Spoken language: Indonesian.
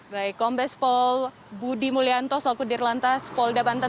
baik kombes pol budi mulyanto sokudir lantas pol dabantan